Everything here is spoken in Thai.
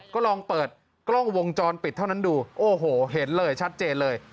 ก็ลองเปิดกล้องวงจรปิดเท่านั้นดูโอ้โหเห็นเลยชัดเจนเลย